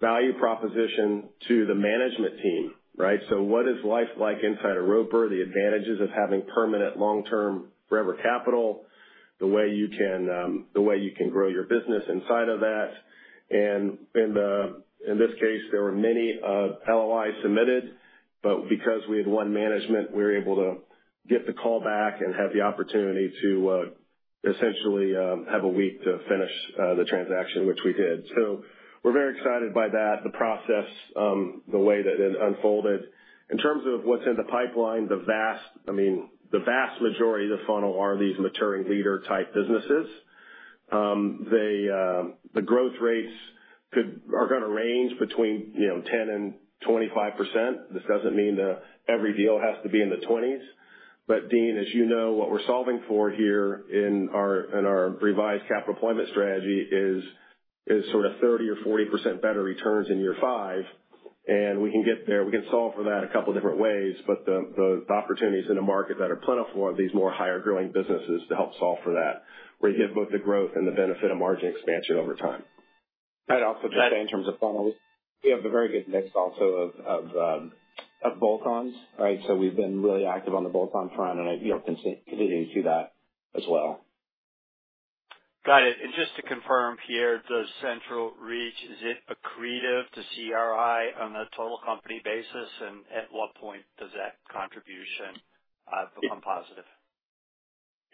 value proposition to the management team, right? What is life like inside a Roper? The advantages of having permanent, long-term forever capital, the way you can grow your business inside of that. In this case, there were many LOIs submitted, but because we had won management, we were able to get the callback and have the opportunity to essentially have a week to finish the transaction, which we did. We're very excited by that, the process, the way that it unfolded. In terms of what's in the pipeline, the vast, I mean, the vast majority of the funnel are these maturing leader-type businesses. The growth rates are going to range between 10%-25%. This doesn't mean every deal has to be in the 20s. Deane, as you know, what we're solving for here in our revised capital appointment strategy is sort of 30% or 40% better returns in year five. We can get there. We can solve for that a couple of different ways, but the opportunities in the market that are plentiful of these more higher-growing businesses to help solve for that, where you get both the growth and the benefit of margin expansion over time. I'd also just say in terms of funnels, we have a very good mix also of bolt-ons, right? We've been really active on the bolt-on front, and you're continuing to see that as well. Got it. Just to confirm here, does CentralReach, is it accretive to CRI on a total company basis? At what point does that contribution become positive?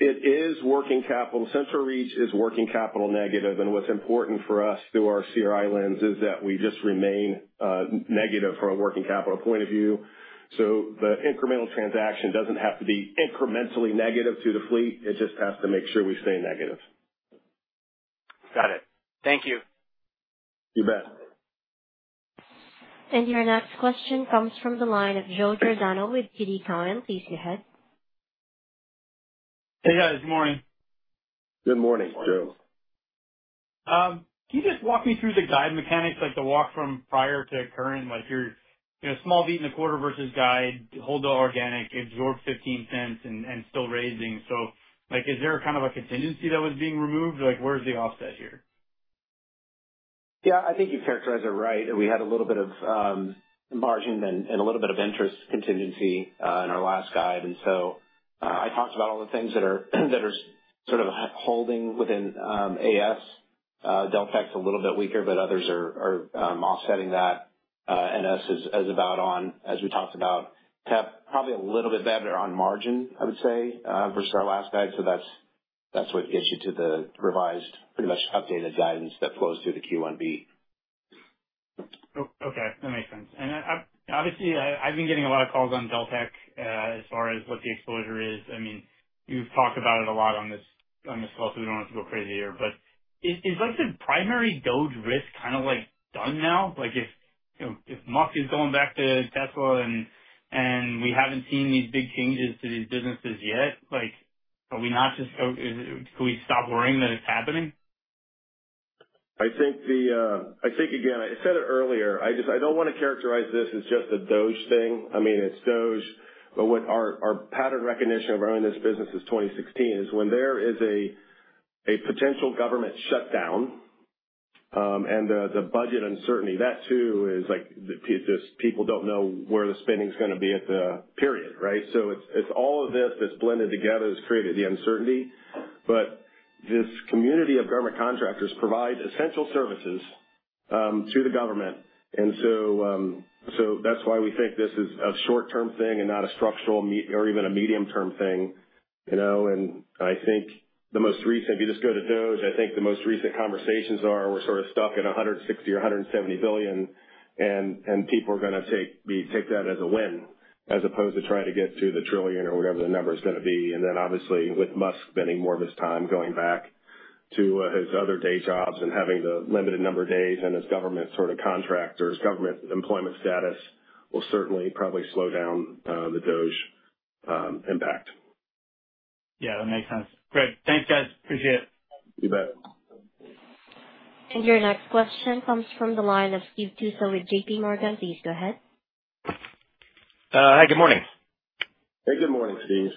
It is working capital. CentralReach is working capital negative. What's important for us through our CRI lens is that we just remain negative from a working capital point of view. The incremental transaction doesn't have to be incrementally negative to the fleet. It just has to make sure we stay negative. Got it. Thank you. You bet. Your next question comes from the line of Joe Giordano with TD Cowen. Please go ahead. Hey, guys. Good morning. Good morning, Joe. Can you just walk me through the guide mechanics, like the walk from prior to current? Like your small VEET and a quarter versus guide, hold the organic, absorb $0.15, and still raising. Is there kind of a contingency that was being removed? Where's the offset here? Yeah. I think you've characterized it right. We had a little bit of margin and a little bit of interest contingency in our last guide. I talked about all the things that are sort of holding within AS. Deltek is a little bit weaker, but others are offsetting that. And US is about on, as we talked about, TEP probably a little bit better on margin, I would say, versus our last guide. That is what gets you to the revised, pretty much updated guidance that flows through the Q1B. Okay. That makes sense. I have been getting a lot of calls on Deltek as far as what the exposure is. I mean, you have talked about it a lot on this call, so we do not have to go crazy here. Is the primary DOGE risk kind of done now? If Musk is going back to Tesla and we have not seen these big changes to these businesses yet, are we not just going to stop worrying that it is happening? I think, again, I said it earlier. I don't want to characterize this as just a DOGE thing. I mean, it's DOGE. What our pattern recognition of our own in this business is 2016 is when there is a potential government shutdown and the budget uncertainty, that too is just people don't know where the spending's going to be at the period, right? All of this that's blended together has created the uncertainty. This community of government contractors provides essential services to the government. That's why we think this is a short-term thing and not a structural or even a medium-term thing. I think the most recent, if you just go to DOGE, I think the most recent conversations are we're sort of stuck at $160 billion or $170 billion, and people are going to take that as a win as opposed to try to get to the trillion or whatever the number is going to be. Obviously, with Musk spending more of his time going back to his other day jobs and having the limited number of days and his government sort of contractors, government employment status will certainly probably slow down the DOGE impact. That makes sense. Great. Thanks, guys. Appreciate it. You bet. Your next question comes from the line of Steve Tusa with JPMorgan. Please go ahead. Hi. Good morning. Hey. Good morning, Steve.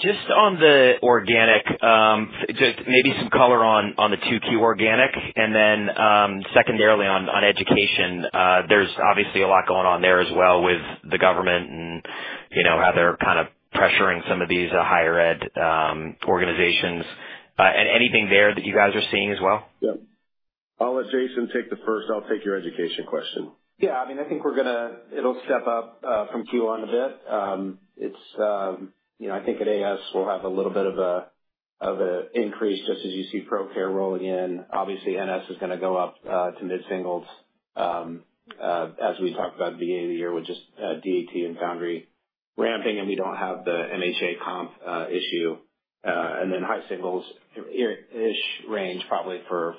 Just on the organic, just maybe some color on the 2Q organic. Secondarily on education, there's obviously a lot going on there as well with the government and how they're kind of pressuring some of these higher-ed organizations. Anything there that you guys are seeing as well? Yep. I'll let Jason take the first. I'll take your education question. Yeah. I mean, I think we're going to, it'll step up from Q1 a bit. I think at AS, we'll have a little bit of an increase just as you see ProCare rolling in. Obviously, NS is going to go up to mid-singles as we talked about at the beginning of the year with just DAT and Foundry ramping, and we don't have the MHA comp issue. High singles-ish range probably for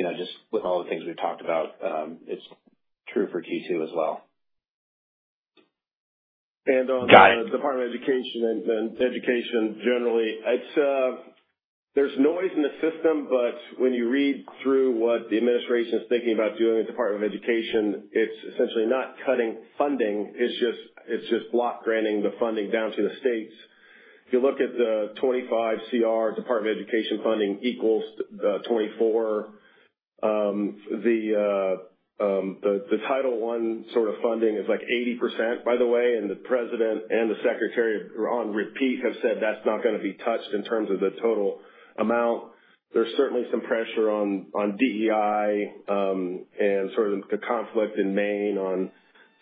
TEP, just with all the things we've talked about. It's true for Q2 as well. On the Department of Education and education generally, there's noise in the system, but when you read through what the administration is thinking about doing with the Department of Education, it's essentially not cutting funding. It's just block granting the funding down to the states. If you look at the 2025 CR, Department of Education funding equals 2024. The Title I sort of funding is like 80%, by the way. The president and the secretary on repeat have said that's not going to be touched in terms of the total amount. There's certainly some pressure on DEI and sort of the conflict in Maine on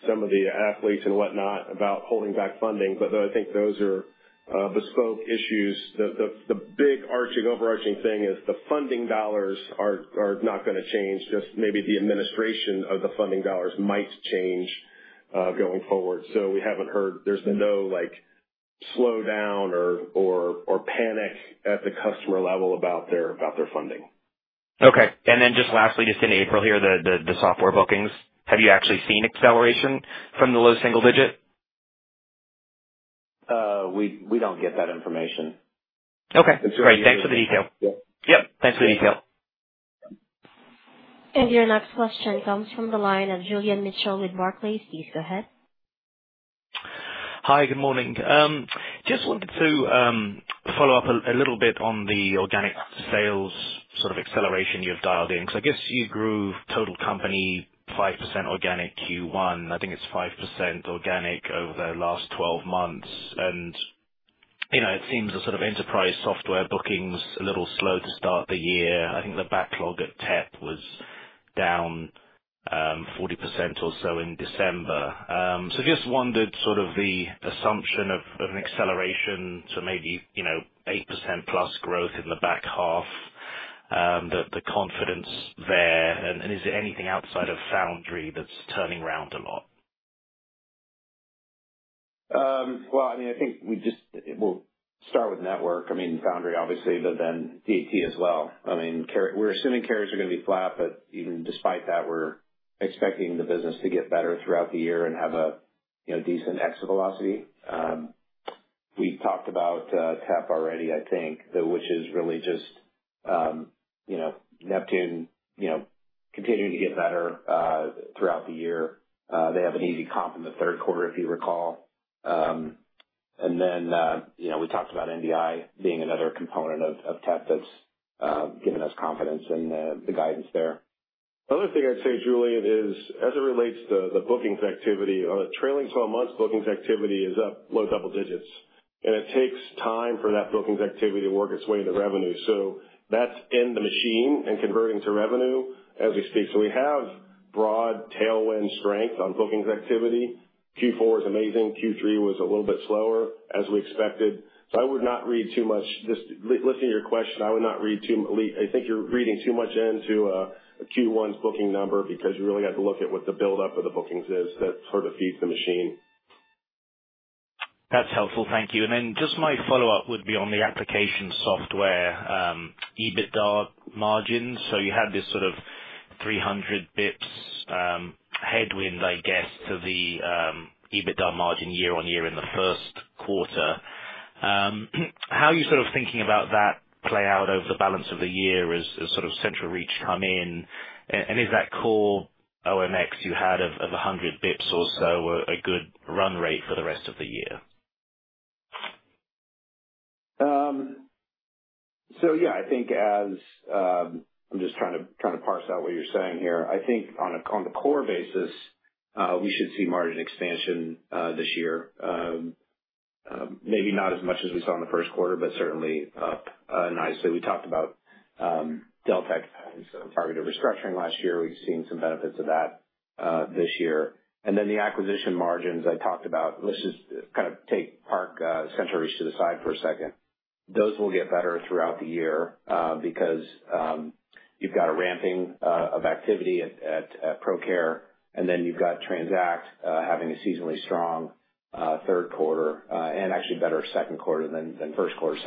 some of the athletes and whatnot about holding back funding. Though I think those are bespoke issues, the big overarching thing is the funding dollars are not going to change. Just maybe the administration of the funding dollars might change going forward. We have not heard there has been any slowdown or panic at the customer level about their funding. Okay. Lastly, just in April here, the software bookings, have you actually seen acceleration from the low single digit? We do not get that information. Okay. Great. Thanks for the detail. Yep. Thanks for the detail. Your next question comes from the line of Julian Mitchell with Barclays. Please go ahead. Hi. Good morning. Just wanted to follow up a little bit on the organic sales sort of acceleration you have dialed in. I guess you grew total company 5% organic Q1. I think it is 5% organic over the last 12 months. It seems the sort of enterprise software bookings are a little slow to start the year. I think the backlog at TEP was down 40% or so in December. I just wondered, sort of the assumption of an acceleration to maybe 8%+ growth in the back half, the confidence there. Is there anything outside of Foundry that's turning around a lot? I mean, I think we'll start with network. I mean, Foundry, obviously, but then DAT as well. We're assuming carriers are going to be flat, but even despite that, we're expecting the business to get better throughout the year and have a decent exit velocity. We've talked about TEP already, I think, which is really just Neptune continuing to get better throughout the year. They have an easy comp in the third quarter, if you recall. We talked about NDI being another component of TEP that's given us confidence in the guidance there. The other thing I'd say, Julian, is as it relates to the bookings activity, trailing 12 months bookings activity is up low double digits. It takes time for that bookings activity to work its way into revenue. That is in the machine and converting to revenue as we speak. We have broad tailwind strength on bookings activity. Q4 is amazing. Q3 was a little bit slower as we expected. I would not read too much. Just listening to your question, I would not read too much. I think you're reading too much into a Q1's booking number because you really have to look at what the buildup of the bookings is that sort of feeds the machine. That's helpful. Thank you. My follow-up would be on the application software, EBITDA margins. You had this sort of 300 basis points headwind, I guess, to the EBITDA margin year-on-year in the first quarter. How are you sort of thinking about that play out over the balance of the year as sort of CentralReach come in? Is that core OMX you had of 100 basis points or so a good run rate for the rest of the year? I think as I'm just trying to parse out what you're saying here. I think on a core basis, we should see margin expansion this year. Maybe not as much as we saw in the first quarter, but certainly up nicely. We talked about Deltek targeted restructuring last year. We've seen some benefits of that this year. The acquisition margins I talked about, let's just kind of take CentralReach to the side for a second. Those will get better throughout the year because you've got a ramping of activity at ProCare, and then you've got Transact having a seasonally strong third quarter and actually better second quarter than first quarter.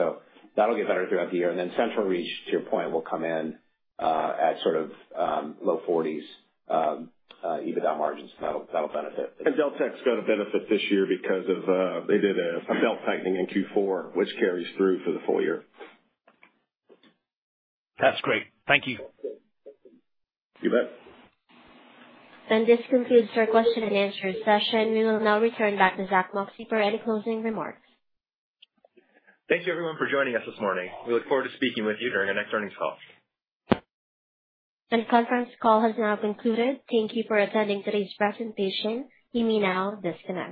That'll get better throughout the year. CentralReach, to your point, will come in at sort of low 40s EBITDA margins. That'll benefit. Deltek's got a benefit this year because they did a belt tightening in Q4, which carries through for the full year. That's great. Thank you. You bet. This concludes our question and answer session. We will now return back to Zack Moxcey for any closing remarks. Thank you, everyone, for joining us this morning. We look forward to speaking with you during our next earnings call. The conference call has now concluded. Thank you for attending today's presentation. We may now disconnect.